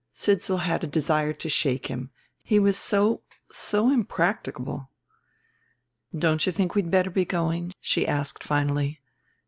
Sidsall had a desire to shake him. He was so so impracticable. "Don't you think we'd better be going?" she asked finally.